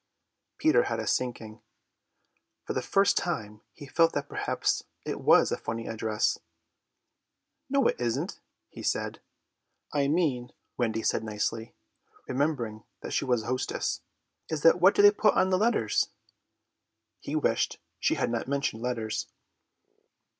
Peter had a sinking. For the first time he felt that perhaps it was a funny address. "No, it isn't," he said. "I mean," Wendy said nicely, remembering that she was hostess, "is that what they put on the letters?" He wished she had not mentioned letters.